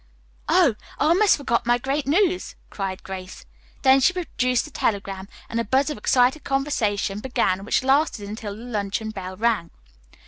"Oh, I almost forgot my great news," cried Grace. Then she produced the telegram, and a buzz of excited conversation began which lasted until the luncheon bell rang.